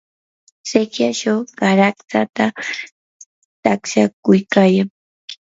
sikyachaw qaratsata taqshakuykayan.